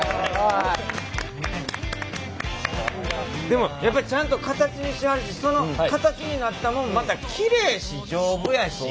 でもやっぱりちゃんと形にしはるしその形になったもんまたきれいし丈夫やし。